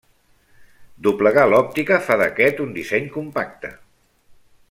Doblegar l'òptica fa d'aquest un disseny compacte.